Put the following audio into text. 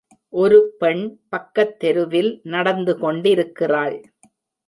ஒரு பெண் பக்கத் தெருவில் நடந்து கொண்டிருக்கிறாள்